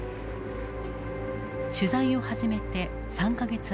取材を始めて３か月余り。